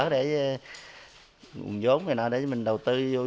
để mình đầu tư